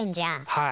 はい。